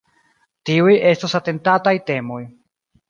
Tiuj estos atentataj temoj.